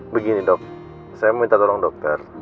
begini dok saya mau minta tolong dokter